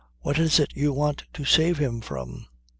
What is it you want to save him from?"